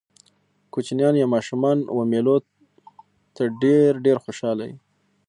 کوچنيان يا ماشومان و مېلو ډېر ته ډېر خوشحاله يي.